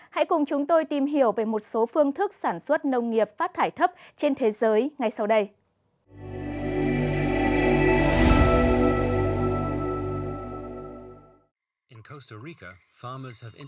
hãy cùng chúng tôi tìm hiểu về một số phương thức sản xuất nông nghiệp phát thải thấp trên thế giới ngay sau đây